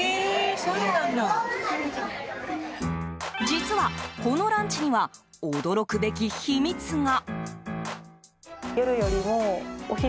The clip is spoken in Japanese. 実は、このランチには驚くべき秘密が。